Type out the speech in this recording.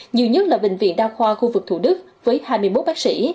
nhiều nhất là bệnh viện đa khoa khu vực thủ đức với hai mươi một bác sĩ